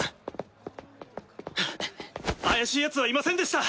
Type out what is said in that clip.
怪しいヤツはいませんでした。